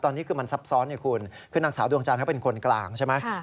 ตอนนี้คือมันซับซ้อนไงคุณคือนางสาวดวงจันทร์เขาเป็นคนกลางใช่ไหม